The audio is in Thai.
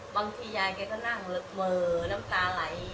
บางทียายก็นั่งเหลวเมล์น้ำตาไหล